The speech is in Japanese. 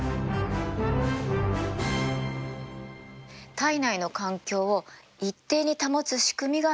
体内の環境を一定に保つ仕組みが免疫。